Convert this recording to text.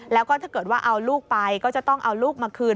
แล้วก็ถ้าเกิดว่าเอาลูกไปก็จะต้องเอาลูกมาคืน